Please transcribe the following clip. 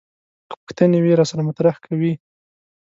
که پوښتنې وي راسره مطرح کوي.